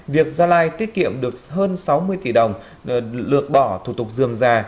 việc gia lai tiết kiệm được hơn sáu mươi tỷ đồng lượt bỏ thủ tục dườm già